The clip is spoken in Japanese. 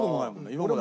今まで。